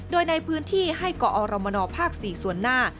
โดยในพื้นที่ให้เกาะออรมนอร์ภาค๔ส่วนหน้า